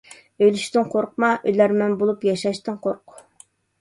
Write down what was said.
ئۆلۈشتىن قورقما، ئۆلەرمەن بولۇپ ياشاشتىن قورق.